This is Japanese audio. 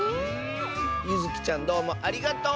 ゆずきちゃんどうもありがとう！